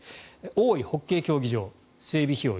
大井ホッケー競技場整備費用